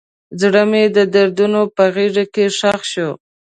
زړه مې د دردونو په غیږ کې ښخ شو.